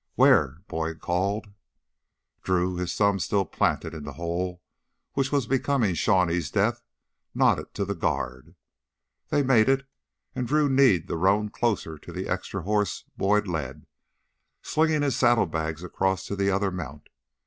"Where?" Boyd called. Drew, his thumb still planted in the hole which was becoming Shawnee's death, nodded to the guard. They made it, and Drew kneed the roan closer to the extra horse Boyd led, slinging his saddlebags across to the other mount.